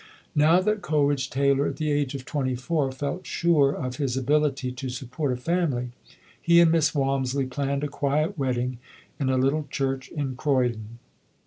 Now that Coleridge Taylor, at the age of twenty four, felt sure of his ability to support a family, he and Miss Walmisley planned a quiet wedding in a little church in Croydon.